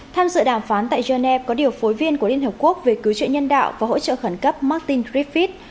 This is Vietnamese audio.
tham dự đàm phán tại geneva có điều phối viên của liên hợp quốc về cứu trợ nhân đạo và hỗ trợ khẩn cấp martin driffith